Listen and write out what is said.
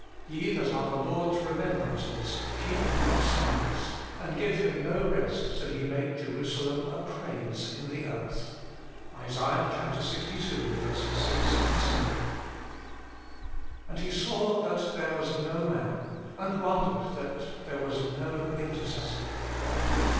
Ye that are the Lord s remembrancers, keep not silence, and give Him no rest till He make Jerusalem a praise in the earth." ISA. Ixii. 6, 7. "And He saw that there was no man, and wondered that there was no intercessor."